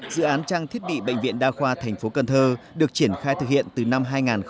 dự án trang thiết bị bệnh viện đa khoa thành phố cần thơ được triển khai thực hiện từ năm hai nghìn một mươi